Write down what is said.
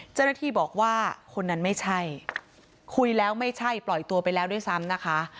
เจ้าหน้าที่บอกว่าคนนั้นไม่ใช่คุยแล้วไม่ใช่ปล่อยตัวไปแล้วด้วยซ้ำนะคะ